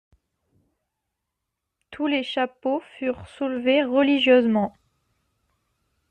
Tous les chapeaux furent soulevés religieusement.